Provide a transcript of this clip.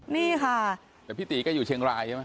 นี่ค่ะแต่พี่ตีก็อยู่เชียงรายใช่ไหม